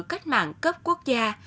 cách mạng cấp quốc gia